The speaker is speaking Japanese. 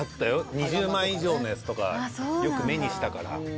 ２０万以上のやつとかよく目にしたから。